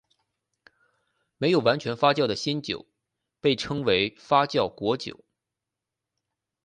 没有完全发酵的新酒被称为发酵果酒。